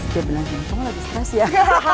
dia nanya kamu lagi stres ya